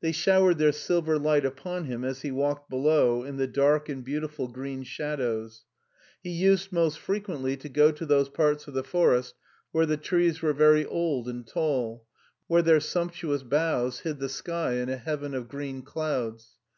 They showered their silver light upon him as he walked below in the dark and beautiful green shadows. He 296 MARTIN SCHULER used most frequently to go to those parts of the forest where the trees were very old and tall, where their sumptuous boughs hid the sky in a heaven of green clouds.